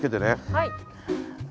はい。